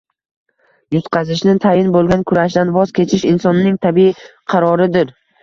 Yutqazishi tayin bo‘lgan kurashdan voz kechish – insonning tabiiy qaroridir.